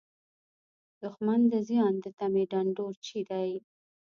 دښمن د زیان د تمې ډنډورچی دی